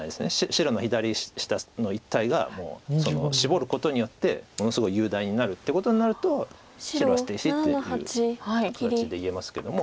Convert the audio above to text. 白の左下の一帯がもうシボることによってものすごい雄大になるってことになると白は捨て石っていう形で言えますけども。